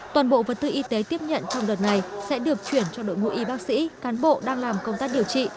toàn bộ vật tư y tế tiếp nhận trong đợt này sẽ được chuyển cho đội ngũ y bác sĩ cán bộ đang làm công tác điều trị